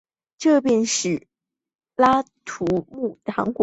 这便是阿拉木图糖果厂的开端。